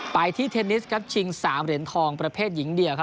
ไปที่เทนนิสครับชิง๓เหรียญทองประเภทหญิงเดี่ยวครับ